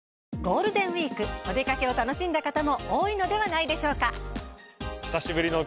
ゴールデンウイークお出掛けを楽しんだ方も多いのではないでしょうか？